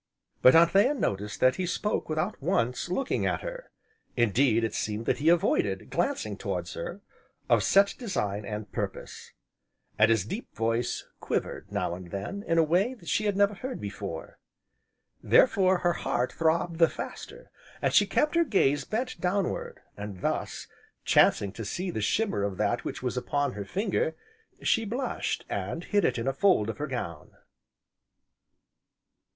But Anthea noticed that he spoke without once looking at her; indeed it seemed that he avoided glancing towards her, of set design, and purpose; and his deep voice quivered, now and then, in a way she had never heard before. Therefore, her heart throbbed the faster, and she kept her gaze bent downward, and thus, chancing to see the shimmer of that which was upon her finger, she blushed, and hid it in a fold of her gown.